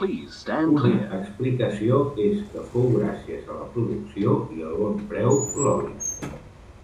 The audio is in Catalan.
Una explicació és que fou gràcies a la producció i el bon preu l'oli.